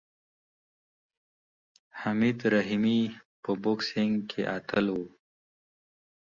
حمید رحیمي په بوکسینګ کې اتل و.